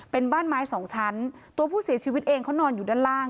เป็นบ้านไม้สองชั้นตัวผู้เสียชีวิตเองเขานอนอยู่ด้านล่าง